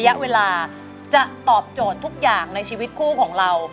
ระยะเวลาจะตอบโจทย์ทุกอย่างในชีวิตคู่ของเรา